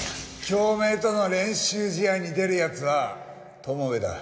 京明との練習試合に出る奴は友部だ。